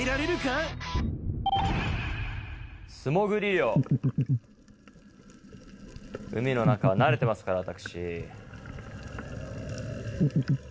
果たして海の中は慣れてますから私。